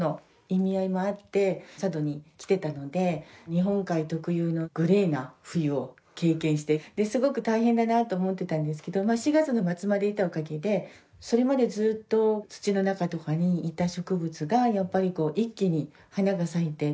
日本海特有のグレーな冬を経験してすごく大変だなあと思ってたんですけど４月の末までいたおかげでそれまでずっと土の中とかにいた植物がやっぱりこう一気に花が咲いてくる。